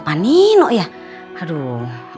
panino ya aduh